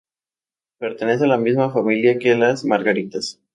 Pertenece a la misma familia que las margaritas.